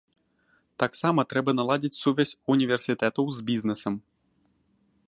Таксама трэба наладзіць сувязь універсітэтаў з бізнесам.